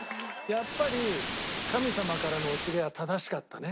やっぱり神様からのお告げは正しかったね。